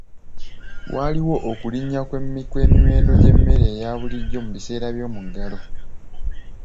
Waaliwo okulinnya kw'emiwendo gy'emmere eya bulijjo mu biseera by'omuggalo.